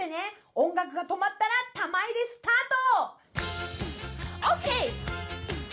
音楽が止まったら玉入れスタート！